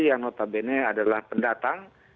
yang notabene adalah pendatang